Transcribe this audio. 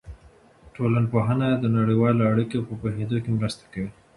ټولنپوهنه د نړیوالو اړیکو په پوهېدو کې مرسته کوي.